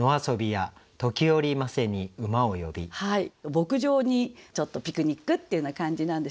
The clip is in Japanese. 牧場にちょっとピクニックっていうような感じなんでしょうね。